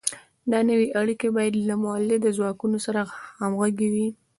دا نوې اړیکې باید له مؤلده ځواکونو سره همغږې وي.